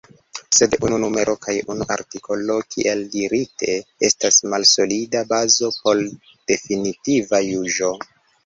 Sed unu numero kaj unu artikolo, kiel dirite, estas malsolida bazo por definitiva juĝo.